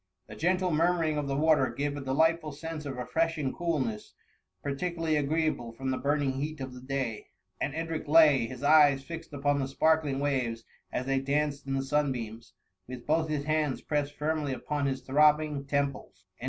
The gentle murmuring of the water, gave a delightful sense of refreshing coolness, particularly agreeable from the burning heat of the day ; and Edric lay, his eyes fixed upon the sparkling waves as they danced in the sunbeams, with both his hands pressed firmly upon his throbbing temples, en.